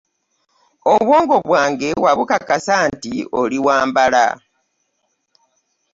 Obwongo bwange wabukakasa nti oli wambala.